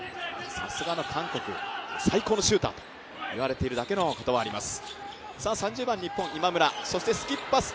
さすがの韓国、最高のシューターと言われているだけのことはあります。